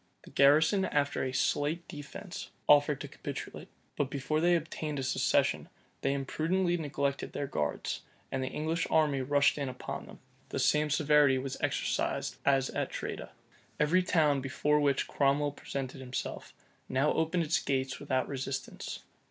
The garrison, after a slight defence, offered to capitulate; but before they obtained a cessation, they imprudently neglected their guards; and the English army rushed in upon them. The same severity was exercised as at Tredah. Every town before which Cromwell presented himself, now opened its gates without resistance.